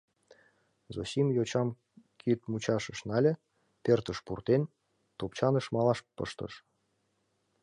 Зосим йочам кид мучашыш нале, пӧртыш пуртен, топчаныш малаш пыштыш.